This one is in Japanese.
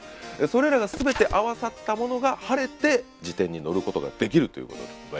それらが全て合わさったものが晴れて辞典に載ることができるということでございます。